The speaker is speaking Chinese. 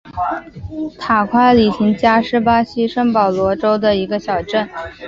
塔夸里廷加是巴西圣保罗州的一个市镇。